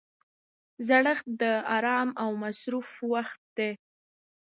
زړښت د ارام او مصرف وخت دی.